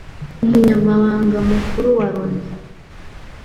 Umunyamabanga mukuru wa Loni